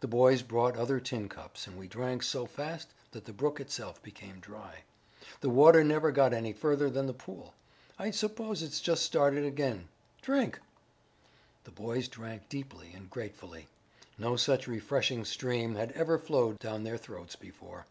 The boys brought other tin cups and we drank so fast that the brook itself became dry. The water never got any further than the pool. I suppose it's just started again. Drink." The boys drank deeply and gratefully. No such refreshing stream had ever flowed down their throats before.